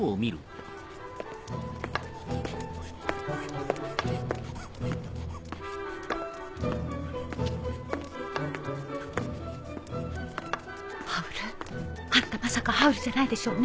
あんたまさかハウルじゃないでしょうね？